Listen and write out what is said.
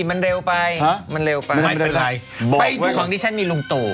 มันเร็วไปฮะมันเร็วไปไม่เป็นไรบอกว่าของที่ฉันมีลุงตู่